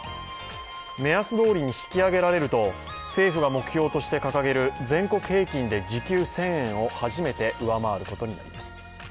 目安どおりに引き上げられると政府が目標として掲げる全国平均で時給１０００円を初めて上回ることになります。